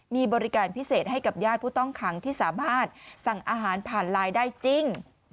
มีบริการพิเศษให้กับญาติผู้ต้องขังที่สามารถสั่งอาหารผ่านไลน์ได้จริง